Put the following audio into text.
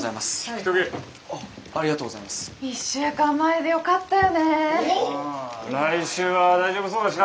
来週は大丈夫そうだしな天気予報も。